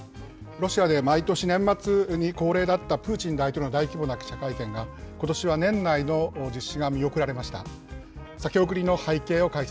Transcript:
ロシアで毎年年末に恒例だった、プーチン大統領の大規模な記者会見が、ことしは年内の実施が見送られました。